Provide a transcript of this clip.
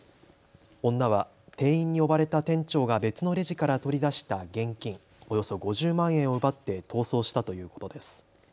女は店員に呼ばれた店長が別のレジから取り出した現金およそ５０万円を奪って逃走したということです。